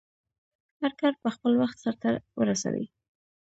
هرکار په خپل وخټ سرته ورسوی